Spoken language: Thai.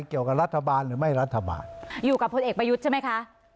เกี่ยวกับรัฐบาลหรือไม่รัฐบาลอยู่กับพลเอกประยุทธ์ใช่ไหมคะ